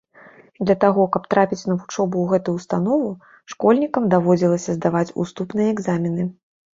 Для таго, каб трапіць на вучобу ў гэтую ўстанову, школьнікам даводзілася здаваць уступныя экзамены.